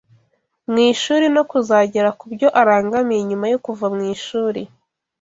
mu ishuri no kuzagera ku byo arangamiye nyuma yo kuva mu ishuri